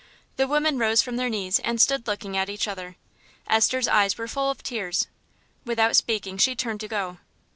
The women rose from their knees and stood looking at each other. Esther's eyes were full of tears. Without speaking she turned to go.